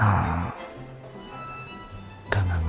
enggak enggak enggak